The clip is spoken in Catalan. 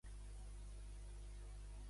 Tenen el castellà com a llengua oficial.